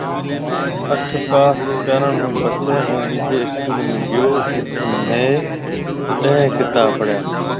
اَٺ پاس ڪرڻ هُون پڇي هون ٻِيجِي اسڪول ۾ گيو جٿ مهيَ ڏهيَ ڪتاب پڙهيَا